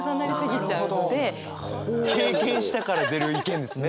経験したから出る意見ですね。